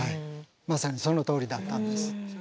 まさにそのとおりだったんです。